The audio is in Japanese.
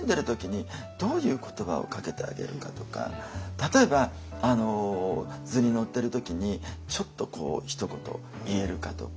例えば図に乗ってる時にちょっとこうひと言言えるかとか。